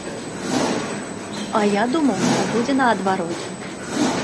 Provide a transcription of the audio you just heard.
А я думаў, што будзе наадварот.